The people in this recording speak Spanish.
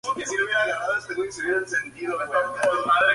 Isabel fue tomada como esposa por Juan Hunyadi, el regente del reino húngaro.